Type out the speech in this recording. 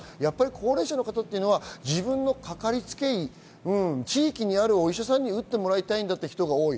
高齢者の方は自分のかかりつけ医、地域にあるお医者さんに打ってもらいたいんだという人が多い。